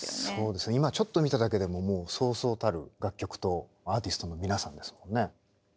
そうですね今ちょっと見ただけでももうそうそうたる楽曲とアーティストの皆さんですもんね。